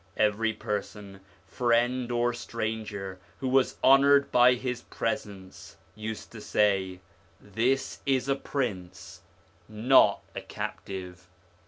Every person, friend or stranger, who was honoured by his presence used to say, ' This is a prince, not a captive.'